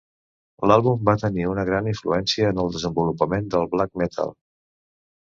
L'àlbum va tenir una gran influència en el desenvolupament del black metal.